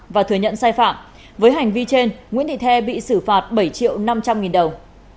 và thừa nhận sai phạm với hành vi trên nguyễn thị the bị xử phạt bảy triệu năm trăm linh nghìn đồng